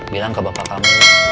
bilang ke bapak kamu